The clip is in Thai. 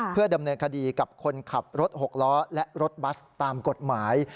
เพื่อดำเนินคดีกับคนขับรถหกล้อและรถบัสตามกฎหมาย